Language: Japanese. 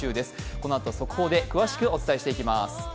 このあと速報で詳しくお伝えしていきます。